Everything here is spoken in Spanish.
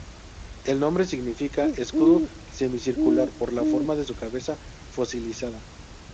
El nombre significa "escudo semicircular", por la forma de su cabeza fosilizada.